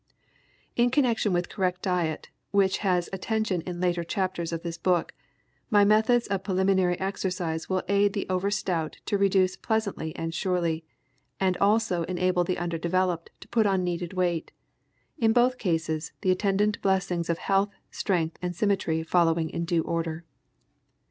In connection with correct diet, which has attention in later chapters of this book, my methods of preliminary exercise will aid the over stout to reduce pleasantly and surely, and also enable the under developed to put on needed weight, in both cases the attendant blessings of health, strength and symmetry following in due order.